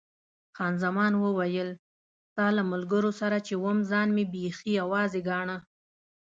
خان زمان وویل، ستا له ملګرو سره چې وم ځان مې بیخي یوازې ګاڼه.